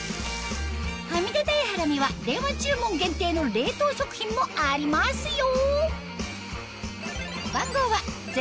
はみ出たいハラミは電話注文限定の冷凍食品もありますよ